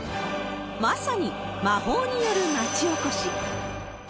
まさに魔法による町おこし。